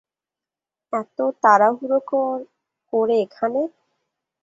এত তাড়াহুড়ো করে এখানে?